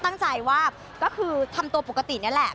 ตั้งใจว่าก็คือทำตัวปกตินี่แหละ